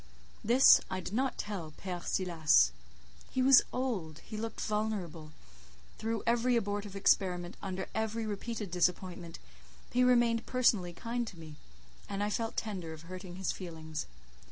This I did not tell Père Silas; he was old, he looked venerable: through every abortive experiment, under every repeated disappointment, he remained personally kind to me, and I felt tender of hurting his feelings.